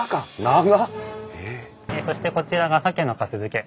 そしてこちらが鮭のかす漬け。